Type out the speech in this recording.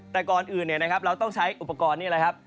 แต่ก่อนอื่นเราต้องใช้อุปกรณ์นี่แหละครับ